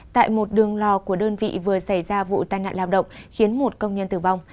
tại một đường lò của đơn vị vừa xảy ra vụ tai nạn lao động khiến một công nhân tử vong